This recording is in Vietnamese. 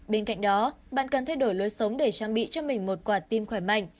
bên cạnh đó bạn cần thay đổi lối sống để trang bị cho mình một quả tim khỏe mạnh